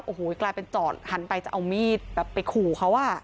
โอ้โหกลายเป็นจอดหันไปจะเอามีดแบบไปขู่เขาอ่ะ